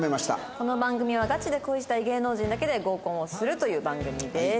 この番組はガチで恋したい芸能人だけで合コンをするという番組です。